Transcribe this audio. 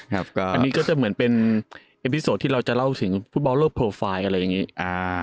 ครับก็อันนี้ก็จะเหมือนเป็นที่เราจะเล่าถึงฟุตบอลอะไรอย่างงี้อ่า